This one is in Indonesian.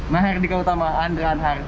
nah herdika utama andra hanhar